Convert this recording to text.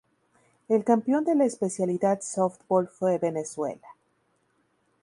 El campeón de la especialidad Softbol fue Venezuela.